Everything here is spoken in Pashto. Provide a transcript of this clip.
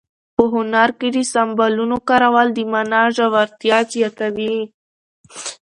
په هنر کې د سمبولونو کارول د مانا ژورتیا زیاتوي.